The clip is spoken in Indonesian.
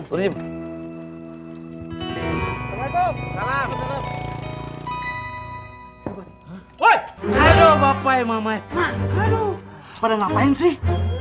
aduh bapak mamah aduh pada ngapain sih